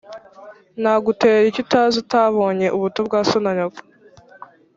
Nagutera icyo utazi utabonye :ubuto bwa so na nyoko